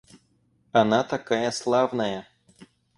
Она такая славная.